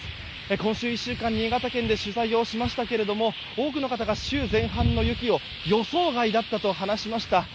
今週１週間、新潟県で取材しましたけれども多くの方が週前半の雪を、予想外だったと話しました。